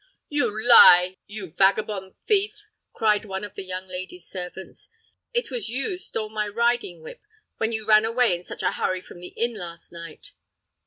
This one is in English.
"You lie, you vagabond thief!" cried one of the young lady's servants. "It was you stole my riding whip, when you ran away in such a hurry from the inn last night."